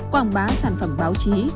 quảng bá sản phẩm báo chí